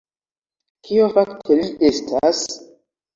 Kio fakte li estas?